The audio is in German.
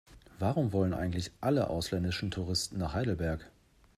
Warum wollen eigentlich alle ausländischen Touristen nach Heidelberg?